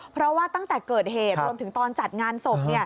เพราะว่าตั้งแต่เกิดเหตุรวมถึงตอนจัดงานศพ